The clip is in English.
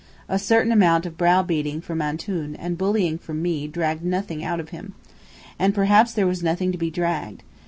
A certain amount of browbeating from "Antoun," and bullying from me, dragged nothing out of him. And perhaps there was nothing to be dragged.